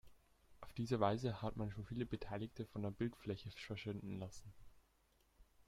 Auf diese Weise hat man schon viele Beteiligte von der Bildfläche verschwinden lassen.